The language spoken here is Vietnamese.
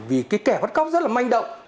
vì kẻ bắt cóc rất là manh động